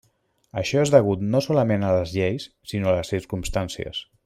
Això és degut no solament a les lleis, sinó a les circumstàncies.